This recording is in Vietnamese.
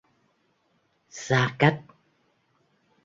Xa cách